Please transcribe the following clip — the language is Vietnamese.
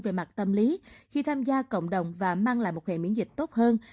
về mặt tâm lý khi tham gia cộng đồng và mang lại một hệ miễn dịch tốt hơn